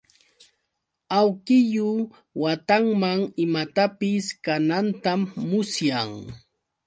Awkillu watanman imatapis kanantam musyan.